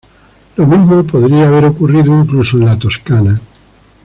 Lo mismo podría haber ocurrido incluso en la Toscana.